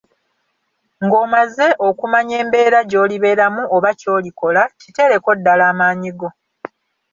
Ng'omaze okumanya embeera gy'olibeeramu oba ky'olikola, kiteereko ddala amaanyi go.